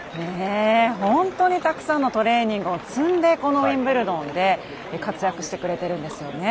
本当にたくさんのトレーニングを積んでこのウィンブルドンで活躍してくれてるんですよね。